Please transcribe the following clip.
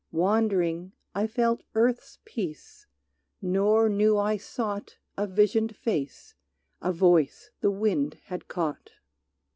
Wandering, I felt earth's peace, nor knew I sought A visioned face, a voice the wind had caught.